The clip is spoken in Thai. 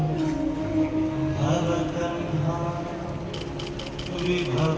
สวัสดีครับสวัสดีครับ